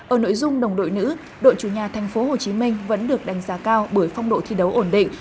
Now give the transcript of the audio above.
ở nội dung đồng đội nữ đội chủ nhà tp hcm vẫn được đánh giá cao bởi phong độ thi đấu ổn định